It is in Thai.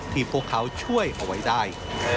พวกเขาช่วยเอาไว้ได้